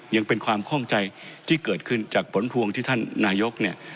ยังเป็นความคล่องใจที่เกิดขึ้นจากผลพวงที่ท่านนายกเนี่ย